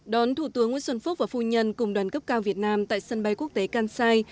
đón thủ tướng nguyễn xuân phúc và phu nhân cùng đoàn cấp cao việt nam tại sân bay quốc tế kansai